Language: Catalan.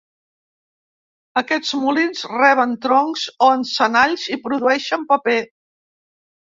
Aquests molins reben troncs o encenalls i produeixen paper.